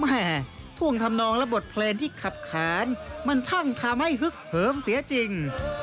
แม่ท่วงทำนองและบทเพลงที่ขับขานมันช่างทำให้ฮึกเหิมเสียจริง